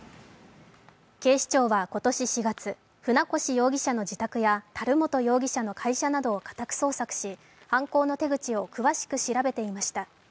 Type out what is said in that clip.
警視庁は今年４月、船越容疑者の会社や樽本容疑者の会社などを家宅捜索し犯行の手口を詳しく調べていました。